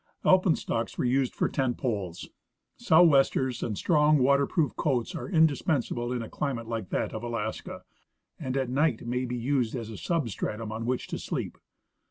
Alpenstocks were used for tent poles. " Sou 'westers " and strong water j^roof coats are indispensable in a climate like that of Alaska, and at night may be used as a sub stratum on which to sleep.